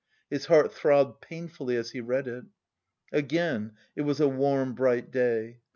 His heart throbbed painfully as he read it. Again it was a warm bright day.